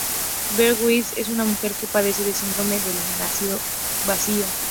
Beth Winter es una mujer que padece el síndrome del nido vacío.